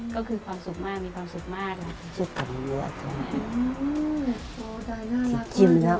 ก็คือความสุขมากมีความสุขมากนะคะ